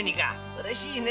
うれしいね！